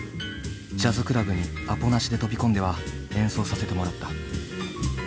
ジャズクラブにアポなしで飛び込んでは演奏させてもらった。